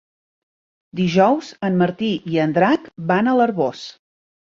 Dijous en Martí i en Drac van a l'Arboç.